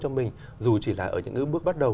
cho mình dù chỉ là ở những bước bắt đầu